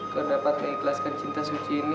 kau dapat mengikhlaskan cinta suci ini